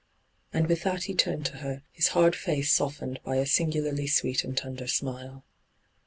And with that he turned to her, his hard face softened by a singularly sweet and tender smile.